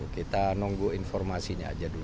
kita nunggu informasinya aja dulu